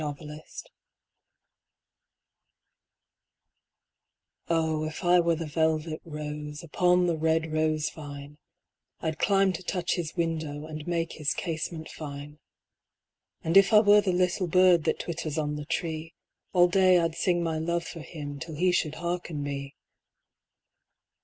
A Maiden Oh if I were the velvet rose Upon the red rose vine, I'd climb to touch his window And make his casement fine. And if I were the little bird That twitters on the tree, All day I'd sing my love for him Till he should harken me.